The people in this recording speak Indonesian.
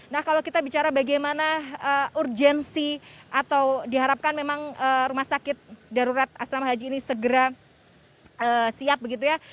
nah kalau kita bicara bagaimana urgensi atau diharapkan memang rumah sakit darurat asrama haji ini segera siap begitu ya